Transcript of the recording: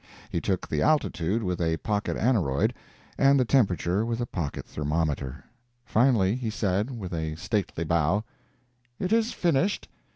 He took the altitude with a pocket aneroid, and the temperature with a pocket thermometer. Finally he said, with a stately bow: "It is finished.